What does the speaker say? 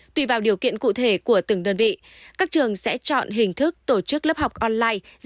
tùy vào điều kiện cụ thể của từng đơn vị các trường sẽ chọn hình thức tổ chức lớp học online